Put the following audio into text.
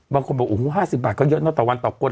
บางคนบอก๕๐บาทก็เยอะต่อวันต่อคน